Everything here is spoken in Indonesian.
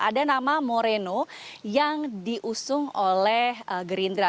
ada nama moreno yang diusung oleh gerindra